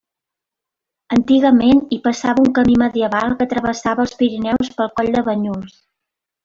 Antigament, hi passava un camí medieval que travessava els Pirineus pel coll de Banyuls.